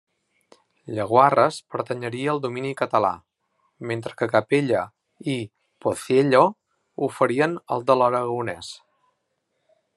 Llaguarres pertanyeria al domini català, mentre que Capella i Pociello ho farien al de l'aragonès.